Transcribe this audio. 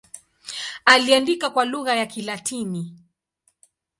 Aliandika kwa lugha ya Kilatini.